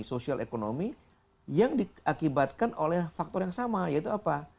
sosial ekonomi yang diakibatkan oleh faktor yang sama yaitu apa